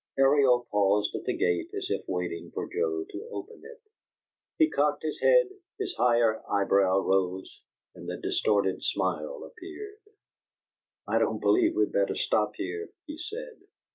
Ariel paused at the gate, as if waiting for Joe to open it. He cocked his head, his higher eyebrow rose, and the distorted smile appeared. "I don't believe we'd better stop here," he said.